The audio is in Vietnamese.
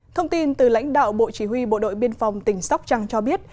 thông tin từ lãnh đạo bộ chỉ huy bộ đội biên phòng tỉnh sóc trăng cho biết